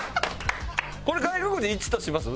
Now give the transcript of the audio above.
これ外国人１とします？